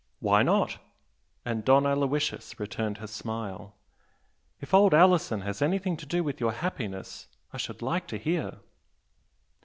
"Why not?" and Don Aloysius returned her smile. "If old Alison has anything to do with your happiness I should like to hear."